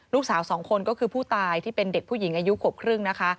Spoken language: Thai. ลูกสาวสองคนก็คือผู้ตายที่เป็นเด็กผู้หญิงอายุขวบครึ่งนะคะ